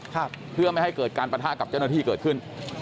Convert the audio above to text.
ครับเพื่อไม่ให้เกิดการปะทะกับเจ้าหน้าที่เกิดขึ้น